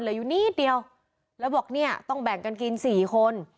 อยู่นิดเดียวแล้วบอกเนี่ยต้องแบ่งกันกินสี่คน